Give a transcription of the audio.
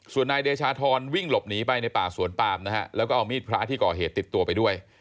ส่วนนายเดชาธรวิ่งหลบหนีไปในป่าสวนปามนะฮะแล้วก็เอามีดพระที่ก่อเหตุติดตัวไปด้วย